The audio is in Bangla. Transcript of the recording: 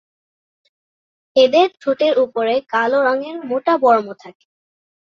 এদের ঠোঁটের ওপরে কালো রঙের মোটা বর্ম থাকে।